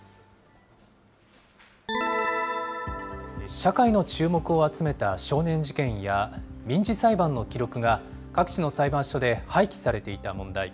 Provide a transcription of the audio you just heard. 社会の注目を集めた少年事件や民事裁判の記録が、各地の裁判所で廃棄されていた問題。